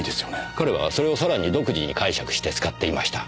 彼はそれをさらに独自に解釈して使っていました。